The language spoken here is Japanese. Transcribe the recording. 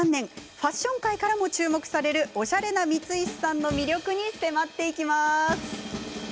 ファッション界からも注目されるおしゃれな光石さんの魅力に迫ります。